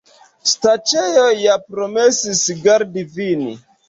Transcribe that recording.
Staĉjo ja promesis gardi vin.